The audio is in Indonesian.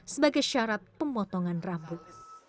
sebagai syarat pemotongan rambut